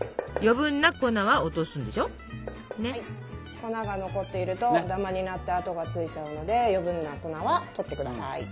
粉が残っているとダマになって跡がついちゃうので余計な粉はとってください。